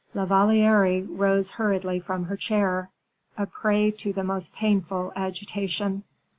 La Valliere rose hurriedly from her chair, a prey to the most painful agitation.